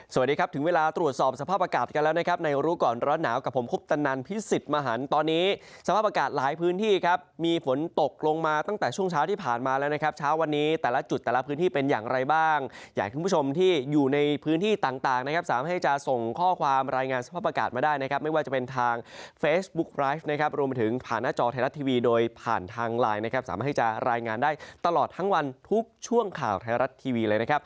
สวัสดีครับถึงเวลาตรวจสอบสภาพประกาศกันแล้วนะครับในรู้ก่อนร้อนหนาวกับผมคบตนันพิสิทธิ์มหันตอนนี้สภาพประกาศหลายพื้นที่ครับมีฝนตกลงมาตั้งแต่ช่วงเช้าที่ผ่านมาแล้วนะครับเช้าวันนี้แต่ละจุดแต่ละพื้นที่เป็นอย่างไรบ้างอยากคุณผู้ชมที่อยู่ในพื้นที่ต่างนะครับสามารถให้จะส่งข้อความ